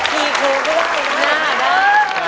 พี่ครูก็ได้คิดหน้าด้วย